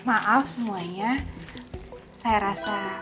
maaf semuanya saya rasa